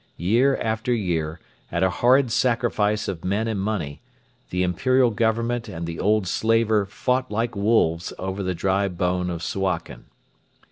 Year after year, at a horrid sacrifice of men and money, the Imperial Government and the old slaver fought like wolves over the dry bone of Suakin.